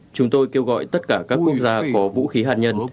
chúng tôi kêu gọi tất cả các quốc gia có vũ khí hạt nhân